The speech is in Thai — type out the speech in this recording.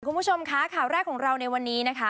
คุณผู้ชมคะข่าวแรกของเราในวันนี้นะคะ